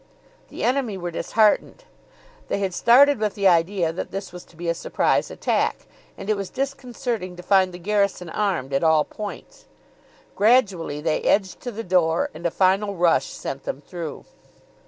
The enemy were disheartened; they had started with the idea that this was to be a surprise attack, and it was disconcerting to find the garrison armed at all points. Gradually they edged to the door, and a final rush sent them through.